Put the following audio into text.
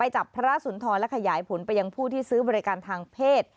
จับพระสุนทรและขยายผลไปยังผู้ที่ซื้อบริการทางเพศ